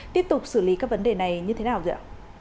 tiếp tục xử lý các vấn đề này như thế nào dạ